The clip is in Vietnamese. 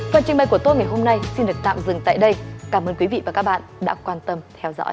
phần trình bày của tôi ngày hôm nay xin được tạm dừng tại đây cảm ơn quý vị và các bạn đã quan tâm theo dõi